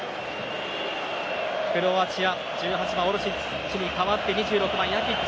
クロアチア１８番オルシッチに代わって２６番、ヤキッチ。